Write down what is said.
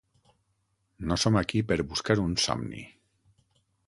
No som aquí per buscar un somni.